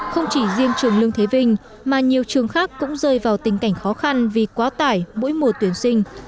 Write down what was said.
không chỉ riêng trường lương thế vinh mà nhiều trường khác cũng rơi vào tình cảnh khó khăn vì quá tải mỗi mùa tuyển sinh